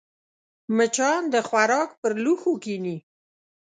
مچان د خوراک پر لوښو کښېني